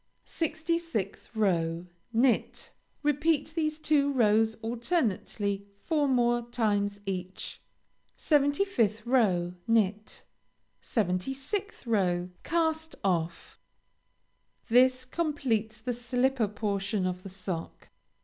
66th row Knit. Repeat these two rows alternately four more times each. 75th row Knit. 76th row Cast off. This completes the slipper portion of the sock.